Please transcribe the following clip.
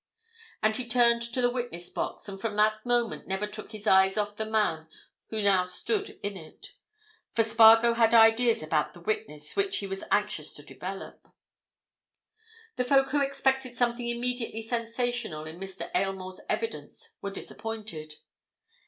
And he turned to the witness box and from that moment never took his eyes off the man who now stood in it. For Spargo had ideas about the witness which he was anxious to develop. The folk who expected something immediately sensational in Mr. Aylmore's evidence were disappointed.